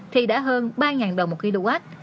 thì đã hơn ba đồng một kwh